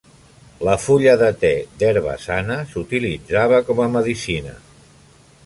La fulla de te d'herba sana s'utilitzava com a medicina.